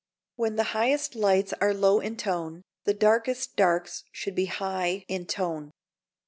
When the highest lights are low in tone, the darkest darks should be high in tone.